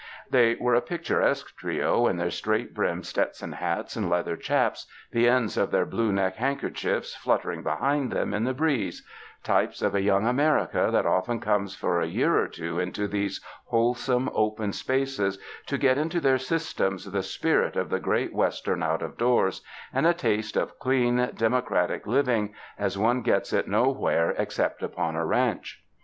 They were a picturesque trio in their straight brimmed Stetson hats and leather chaps, the ends of their blue neck handkerchiefs fluttering behind them in the breeze — types of a young America that often comes for a year or two into these wholesome, open spaces to get into their systems the spirit of the great Western out of doors and a taste of clean, demo cratic living, as one gets it nowhere except upon a ranch.